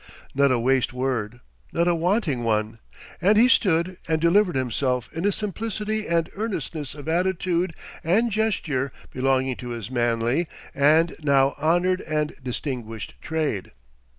Not a waste word, nor a wanting one. And he stood and delivered himself in a simplicity and earnestness of attitude and gesture belonging to his manly and now honored and distinguished trade.